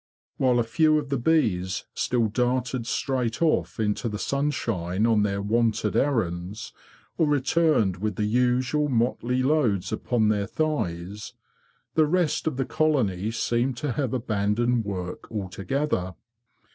While a few of the bees still darted straight off into the sunshine on their wonted errands, or returned with the usual motley loads upon their thighs, the rest of the colony seemed to have abandoned work altogether.